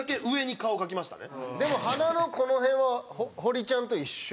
でも鼻のこの辺は堀ちゃんと一緒やで。